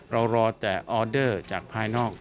รอแต่ออเดอร์จากภายนอก